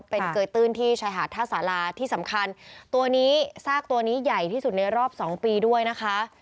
เป็นเกยตื้นที่ชายหาดท่าสาราที่สำคัญตัวนี้ซากตัวนี้ใหญ่ที่สุดในรอบสองปีด้วยนะคะ